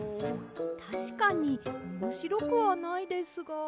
たしかにおもしろくはないですが。